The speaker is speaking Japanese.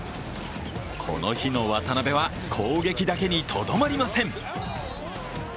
この日の渡邊は攻撃だけにとどまりません。